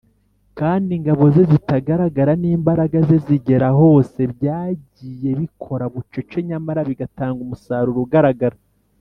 . Kandi ingabo ze zitagaragara, n’imbaraga ze zigera hose, byagiye bikora bucece nyamara bigatanga umusaruro ugaragara